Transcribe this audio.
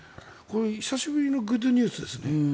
久しぶりのグッドニュースですね。